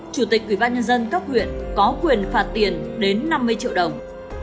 chủ tịch ubnd cấp huyện có quyền phạt tiền đến năm mươi triệu đồng